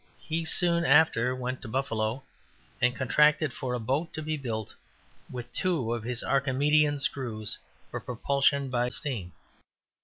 He soon after went to Buffalo, and contracted for a boat to be built, with two of his Archimedean screws for propulsion by steam.